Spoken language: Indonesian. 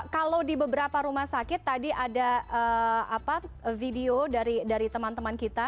kalau di beberapa rumah sakit tadi ada video dari teman teman kita